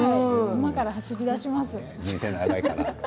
今から走りだします。